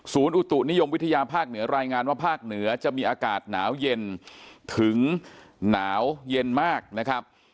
อุตุนิยมวิทยาภาคเหนือรายงานว่าภาคเหนือจะมีอากาศหนาวเย็นถึงหนาวเย็นมากนะครับ